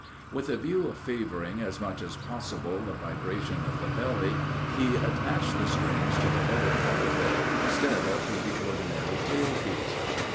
With a view of favouring as much as possible the vibration of the belly, he attached the strings to the lower part of it, instead of to the ordinary tail piece.